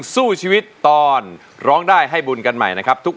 สวัสดีครับ